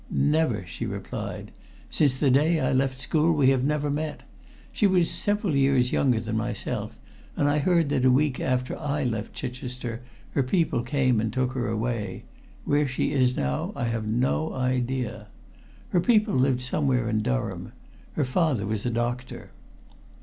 "Never," she replied. "Since the day I left school we have never met. She was several years younger than myself, and I heard that a week after I left Chichester her people came and took her away. Where she is now I have no idea. Her people lived somewhere in Durham. Her father was a doctor."